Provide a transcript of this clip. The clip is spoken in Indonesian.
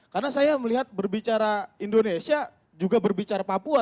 karena saya melihat berbicara indonesia juga berbicara papua